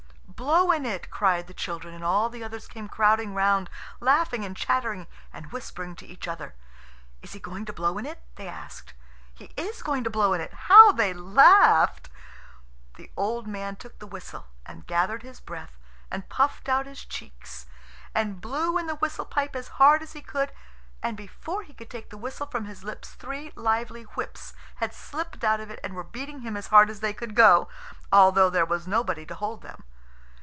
"Blow in it," cried the children; and all the others came crowding round, laughing and chattering and whispering to each other. "Is he going to blow in it?" they asked. "He is going to blow in it." How they laughed! The old man took the whistle, and gathered his breath and puffed out his cheeks, and blew in the whistle pipe as hard as he could. And before he could take the whistle from his lips, three lively whips had slipped out of it, and were beating him as hard as they could go, although there was nobody to hold them.